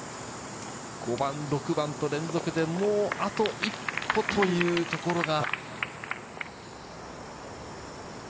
５番６番と連続で、あと一歩というところが。